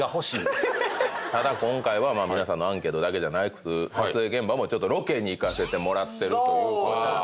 ただ今回は皆さんのアンケートだけじゃなく撮影現場もロケに行かせてもらってるということで。